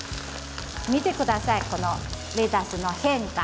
見てください、このレタスの変化。